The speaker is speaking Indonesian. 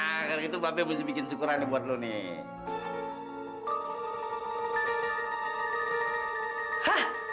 ah kalo gitu babe mesti bikin syukuran buat lo nih